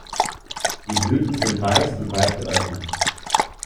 Die Blüten sind weiß und weit geöffnet.